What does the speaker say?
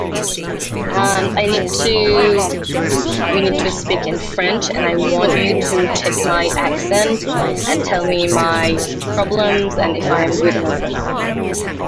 What am I supposed to do?